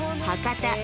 博多